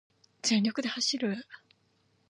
全力で走る